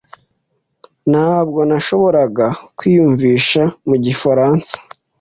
Ntabwo nashoboraga kwiyumvisha mu gifaransa.